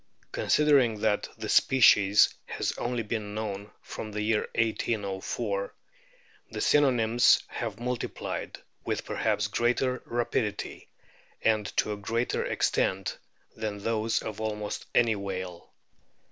Considering that the species has been only known from the year 1804, the synonyms have multiplied with perhaps greater rapidity and to a greater extent than those of almost any whale.